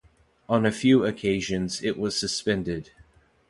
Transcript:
On a few occasions it was suspended.